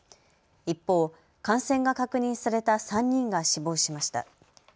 一方、感染が確認された３人が死亡しました。